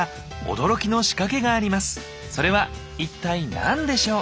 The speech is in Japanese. それは一体何でしょう？